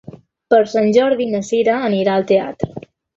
Per Sant Jordi na Sira irà al teatre.